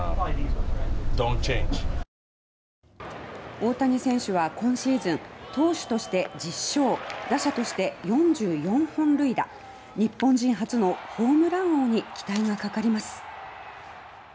大谷選手は今シーズン投手として１０勝打者として４４本塁打日本人初のホームラン王に期待がかかります。